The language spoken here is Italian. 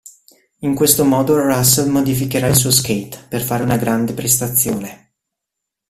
In questo modo Russel modificherà il suo skate, per fare una grande prestazione.